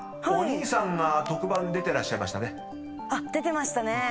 ［お兄さんが特番に出てらっしゃいましたね］